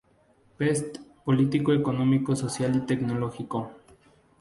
Pest "Político, Económico, Social y Tecnológico".